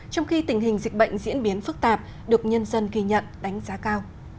trong khi tình hình dịch bệnh diễn biến phức tạp được nhân dân ghi nhận đánh giá cao